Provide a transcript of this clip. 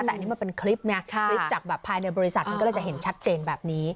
แต่อันนี้มันเป็นคลิปไงคลิปจากแบบภายในบริษัทมันก็เลยจะเห็นชัดเจนแบบนี้